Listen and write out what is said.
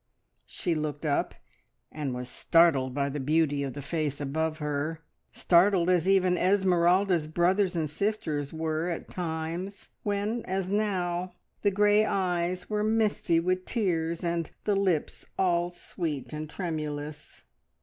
She looked up, and was startled by the beauty of the face above her, startled as even Esmeralda's brothers and sisters were at times, when as now the grey eyes were misty with tears, and the lips all sweet and tremulous.